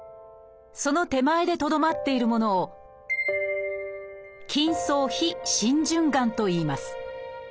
その手前でとどまっているものを「筋層非浸潤がん」といいます